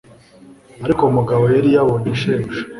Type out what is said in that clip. Ariko uwo mugabo yari yabonye shebuja